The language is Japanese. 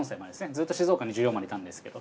ずっと静岡に１４までいたんですけど。